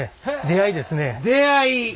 出会い。